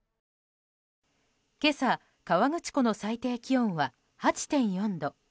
今朝、河口湖の最低気温は８．４度。